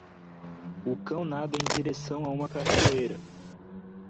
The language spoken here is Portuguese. O cão nada em direção a uma cachoeira.